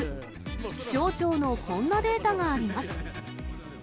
気象庁のこんなデータがあります。